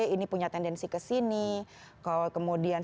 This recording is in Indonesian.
ini punya tendensi ke sini kalau kemudian